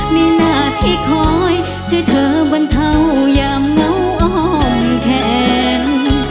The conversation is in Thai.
มีหน้าที่คอยช่วยเธอบรรเทายามเหงาอ้อมแขน